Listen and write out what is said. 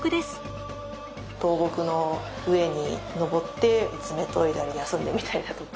倒木の上に登って爪研いだり休んでみたりだとか。